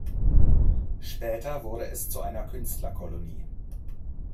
Später wurde es zu einer Künstlerkolonie.